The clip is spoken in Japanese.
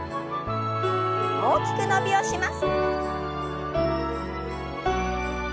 大きく伸びをします。